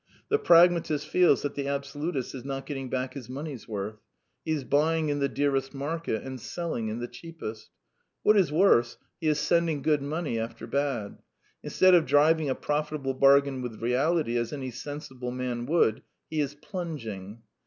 The pragmatist feels that the abso lutist is not getting back his money's worth. He is buy ing in the dearest market and selling in the cheapest. What is worse, he is sending good money after bad. In stead of driving a profitable bargain with Reality, as any sensible man would, he is plunging.